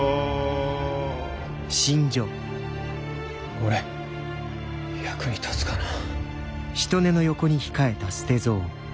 俺役に立つかなぁ。